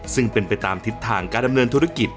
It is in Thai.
ซึ่งเป็นไปตามทิศทางการดำเนินธุรกิจ